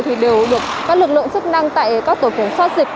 thì đều được các lực lượng sức năng tại các tổ chức soát dịch